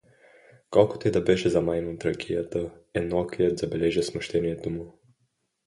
Колкото и да беше замаян от ракията, едноокият забележи смущението му.